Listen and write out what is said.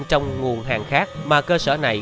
trong nguồn hàng khác mà cơ sở này